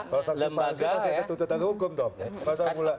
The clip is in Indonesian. kalau saksi palsu pasti dituntut hukum dong